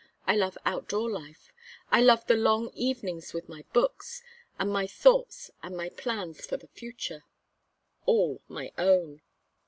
I love out door life. I love the long evenings with my books and my thoughts, and my plans for the future all my own.